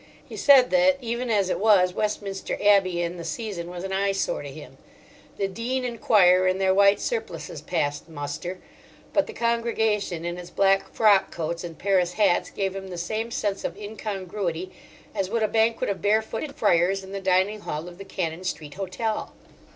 He said that, even as it was, Westminster Abbey in the season was an eyesore to him. The Dean and Choir in their white surplices passed muster, but the congregation in its black frock coats and Paris hats gave him the same sense of incongruity as would a banquet of barefooted friars in the dining hall of the Cannon Street Hotel.